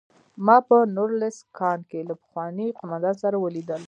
ما په نوریلیسک کان کې له پخواني قومندان سره ولیدل